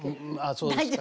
そうですか。